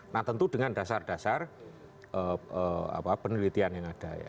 nah tentu dengan dasar dasar penelitian yang ada ya